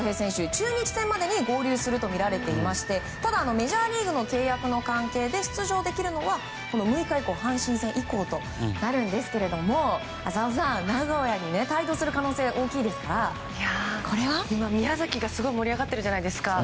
中日戦までに合流するとみられていましてただ、メジャーリーグの契約の関係で出場できるのは６日の阪神戦以降ですが浅尾さん、名古屋に帯同する可能性が大きいですから宮崎がすごい盛り上がってるじゃないですか。